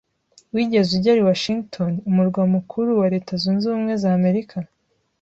Wigeze ugera i Washington, umurwa mukuru wa Leta zunze ubumwe za Amerika?